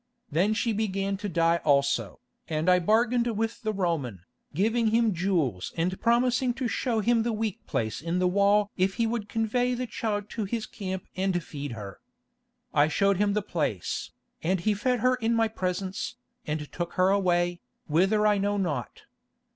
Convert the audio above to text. Then she began to die also, and I bargained with the Roman, giving him jewels and promising to show him the weak place in the wall if he would convey the child to his camp and feed her. I showed him the place, and he fed her in my presence, and took her away, whither I know not.